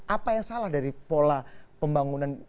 apa yang salah dari pola pembangunan kota kota besar